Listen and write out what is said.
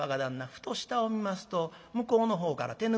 ふと下を見ますと向こうのほうから手拭いであねさん